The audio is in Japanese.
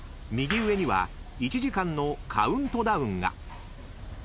［右上には１時間のカウントダウンが］